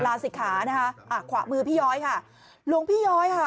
ลาศิกขานะคะอ่ะขวามือพี่ย้อยค่ะหลวงพี่ย้อยค่ะ